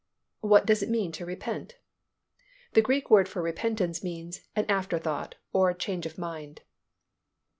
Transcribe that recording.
What does it mean to repent? The Greek word for repentance means "an afterthought" or "change of mind."